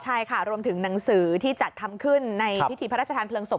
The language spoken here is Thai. ใช่ค่ะรวมถึงหนังสือที่จัดทำขึ้นในพิธีพระราชทานเพลิงศพ